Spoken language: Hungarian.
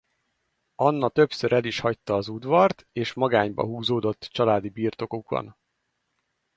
Anna többször el is hagyta az udvart és magányba húzódott családi birtokukon.